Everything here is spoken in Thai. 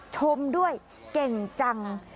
ชมด้วยเก่งจัง